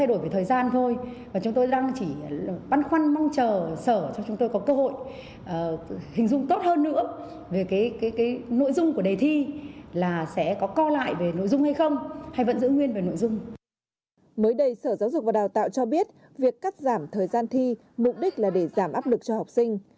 mới đây sở giáo dục và đào tạo cho biết việc cắt giảm thời gian thi mục đích là để giảm áp lực cho học sinh